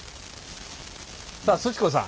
さあすち子さん。